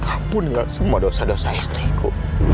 ampunlah semua dosa dosa istriku